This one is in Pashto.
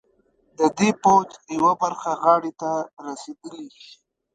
د دې پوځ یوه برخه غاړې ته رسېدلي.